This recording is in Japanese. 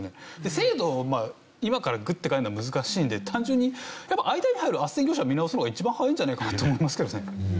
制度を今からグッて変えるのは難しいので単純に間に入る斡旋業者を見直すのが一番早いんじゃないかと思いますけどね。